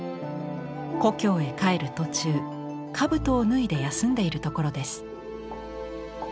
故郷へ帰る途中兜を脱いで休んでいるところです。